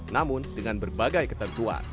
namun dengan berbagai ketentuan